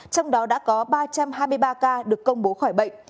trong đó đã có ba trăm hai mươi ba ca được công bố khỏi bệnh